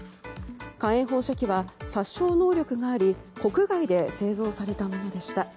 火炎放射器は殺傷能力があり国外で製造されたものでした。